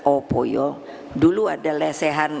opo yuk dulu ada lesehan